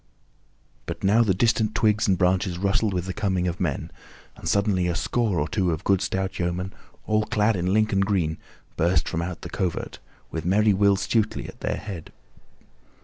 But now the distant twigs and branches rustled with the coming of men, and suddenly a score or two of good stout yeomen, all clad in Lincoln green, burst from out the covert, with merry Will Stutely at their head.